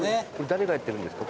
誰がやってるんですか？